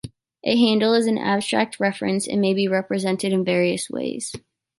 A handle is an abstract reference, and may be represented in various ways.